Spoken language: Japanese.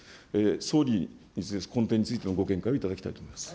総理、この点についてのご見解をいただきたいと思います。